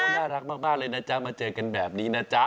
น่ารักมากเลยนะจ๊ะมาเจอกันแบบนี้นะจ๊ะ